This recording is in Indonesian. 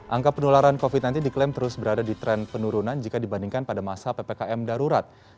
angka penularan covid sembilan belas diklaim terus berada di tren penurunan jika dibandingkan pada masa ppkm darurat